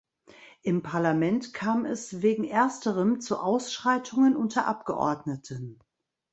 Im Parlament kam es wegen Ersterem zu Ausschreitungen unter Abgeordneten.